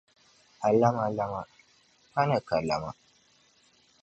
A lama lama, pani ka lama.